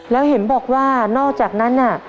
แล้วเห็นบอกว่านอกจากนั้นน่ะ